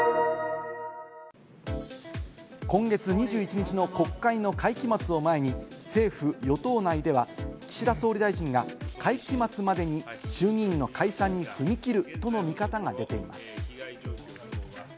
今月２１日の国会の会期末を前に政府・与党内では、岸田総理大臣が会期末までに衆議院の解散に踏み切るとの見方が出ています。